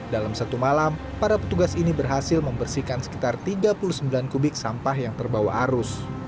dalam satu malam para petugas ini berhasil membersihkan sekitar tiga puluh sembilan kubik sampah yang terbawa arus